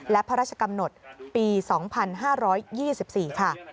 และพระราชกำหนดปี๒๕๒๔ค่ะ